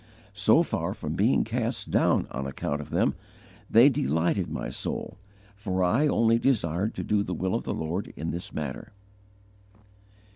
_ So far from being cast down on account of them, they delighted my soul; for I only desired to do the will of the Lord in this matter."